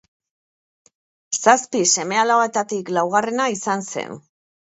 Zazpi seme-alabetatik laugarrena izan zen.